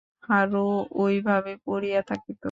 হারু ওইভাবে পড়িয়া থাকিত।